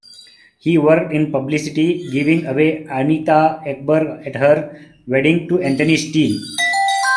He worked in publicity, giving away Anita Ekberg at her wedding to Anthony Steel.